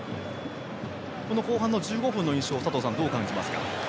後半の１５分の印象佐藤さん、どう感じますか？